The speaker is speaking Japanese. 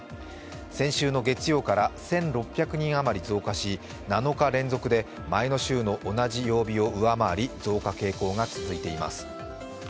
先週の月曜から１６００人余り増加し、７日連続で前の週の同じ曜日を上回り増加傾向が続いています。